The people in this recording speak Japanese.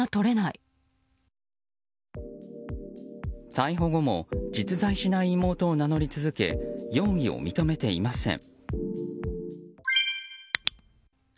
逮捕後も実在しない妹を名乗り続け容疑を認めていません。